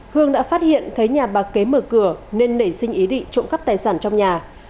hương đã phát hiện thấy nhà bà kế mở cửa nên nảy sinh ý định trộm cắp tài sản trong nhà